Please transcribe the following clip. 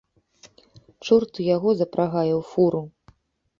Чорт і яго запрагае у фуру.